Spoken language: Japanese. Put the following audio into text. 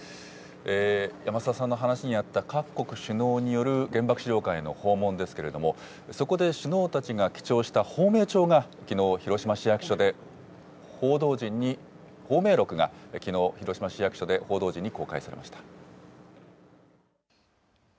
山澤さんの話にあった各国首脳による原爆資料館への訪問ですけれども、そこで首脳たちが記帳した芳名帳がきのう広島市役所で報道陣に、芳名録がきのう、広島市役所で報道陣に公開されました。